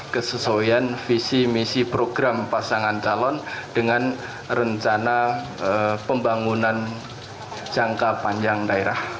kesesuaian visi misi program pasangan calon dengan rencana pembangunan jangka panjang daerah